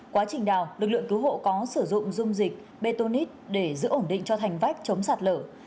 quá trình đào lực lượng cứu hộ có sử dụng dung dịch bê tôngite để giữ ổn định cho thành vách chống sạt lở